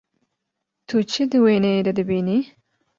Tu çi di wêneyê de dibînî?